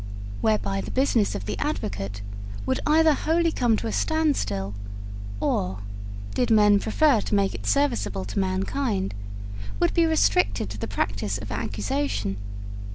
Whereby the business of the advocate would either wholly come to a standstill, or, did men prefer to make it serviceable to mankind, would be restricted to the practice of accusation.